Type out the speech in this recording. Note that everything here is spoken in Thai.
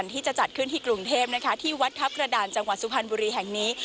ที่จะจัดขึ้นที่กรุงเทพนะคะที่วัดทัพกระดานจังหวัดสุพรรณบุรีแห่งนี้